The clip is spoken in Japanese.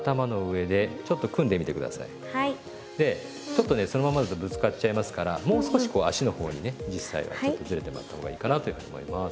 でちょっとねそのままだとぶつかっちゃいますからもう少しこう足の方にね実際はずれてもらった方がいいかなと思います。